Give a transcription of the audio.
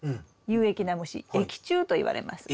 有益な虫益虫といわれます。